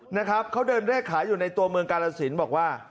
นะครับเขาเดินเลขขายอยู่ในตัวเมืองกาลสินบอกว่า